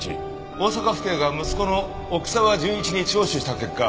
大阪府警が息子の奥沢純一に聴取した結果。